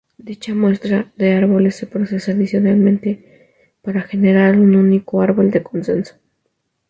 Dicha muestra de árboles se procesa adicionalmente, para generar un único árbol de consenso.